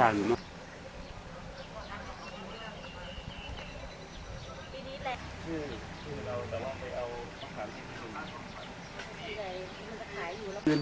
ฟ้ารุ่นเนื้อเหมือนกัน